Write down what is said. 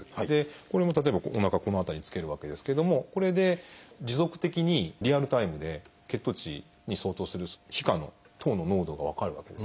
これも例えばおなかこの辺りにつけるわけですけどもこれで持続的にリアルタイムで血糖値に相当する皮下の糖の濃度が分かるわけです。